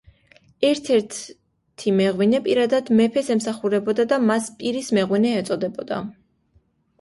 ერთ-ერთი მეღვინე პირადად მეფეს ემსახურებოდა და მას „პირის მეღვინე“ ეწოდებოდა.